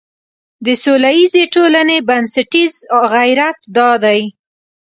د سولیزې ټولنې بنسټیز غیرت دا دی.